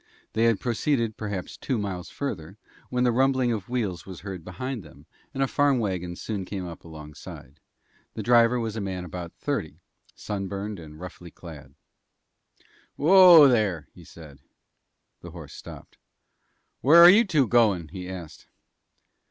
They had proceeded perhaps two miles further, when the rumbling of wheels was heard behind them, and a farm wagon soon came up alongside. The driver was a man of about thirty sunburned and roughly clad. "Whoa, there," he said. The horse stopped. "Where are you two goin'?" he asked.